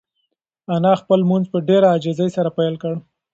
انا خپل لمونځ په ډېرې عاجزۍ سره پیل کړ.